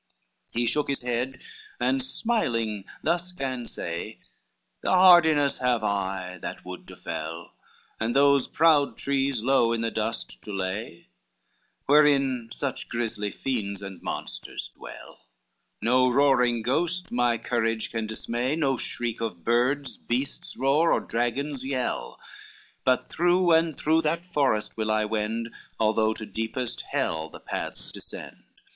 XXV He shook his head, and smiling thus gan say, "The hardiness have I that wood to fell, And those proud trees low in the dust to lay Wherein such grisly fiends and monsters dwell; No roaring ghost my courage can dismay, No shriek of birds, beast's roar, or dragon's yell; But through and through that forest will I wend, Although to deepest hell the paths descend."